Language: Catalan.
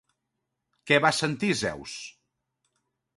Què va sentir Zeus?